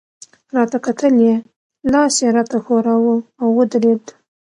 راته کتل يې، لاس يې راته ښوراوه، او ودرېد.